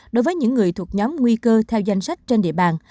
đối với những người thuộc nhóm nguy cơ theo danh sách trên địa bàn